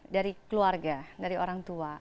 dari keluarga dari orang tua